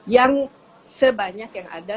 yang sebanyak yang ada